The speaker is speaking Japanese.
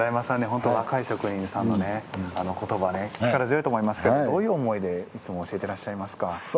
本当に若い職人さんのことば力強いと思いますけどどういう思いでいつも教えてらっしゃいますか？